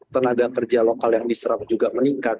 tenaga kerja lokal yang diserap juga meningkat